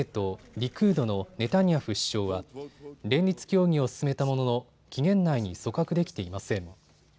リクードのネタニヤフ首相は連立協議を進めたものの期限内に組閣できていません。